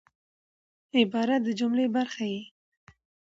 عبارت د جملې برخه يي.